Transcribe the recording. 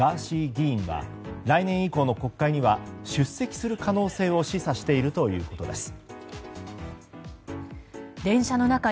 議員は来年以降の国会には出席する可能性を示唆しているということです。